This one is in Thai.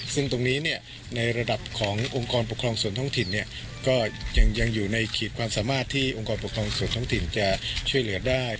ซึ่งตรงนี้ในระดับขององค์กรปกครองส่วนท้องถิ่นก็ยังอยู่ในขีดความสามารถที่องค์กรปกครองส่วนท้องถิ่นจะช่วยเหลือได้